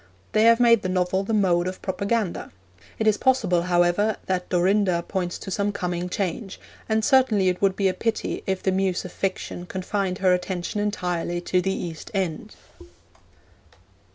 They have made the novel the mode of propaganda. It is possible, however, that Dorinda points to some coming change, and certainly it would be a pity if the Muse of Fiction confined her attention entirely to the East End.